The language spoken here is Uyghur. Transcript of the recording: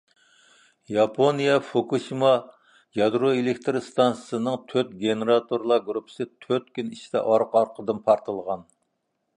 ياپونىيە فۇكۇشىما يادرو ئېلېكتىر ئىستانسىسىنىڭ تۆت گېنېراتورلار گۇرۇپپىسى تۆت كۈن ئىچىدە ئارقا-ئارقىدىن پارتلىغان.